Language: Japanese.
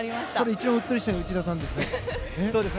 一番うっとりしてるのは内田さんですね。